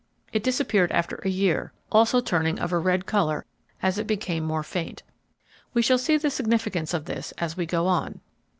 It disappeared after a year, also turning of a red color as it became more faint. We shall see the significance of this as we go on.